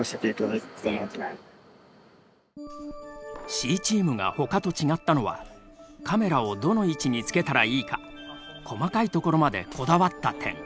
Ｃチームがほかと違ったのはカメラをどの位置につけたらいいか細かいところまでこだわった点。